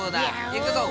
いくぞ！